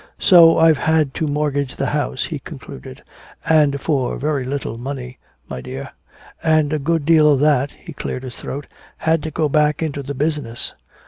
"So I've had to mortgage the house," he concluded. "And for very little money, my dear. And a good deal of that " he cleared his throat "had to go back into the business."